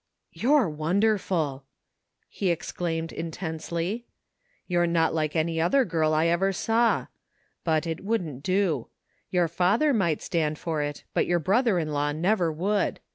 " You're wonderful !" he exclaimed intensely. " You're not like any other girl I ever saw. But, it wouldn't do. Your father might stand for it, but your brother in law never would.